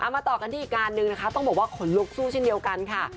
มาต่อกันที่อีกการนึงนะคะต้องบอกว่าขนลุกสู้เช่นเดียวกันค่ะ